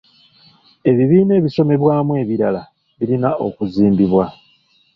Ebibiina ebisomebwamu ebirala birina okuzimbibwa.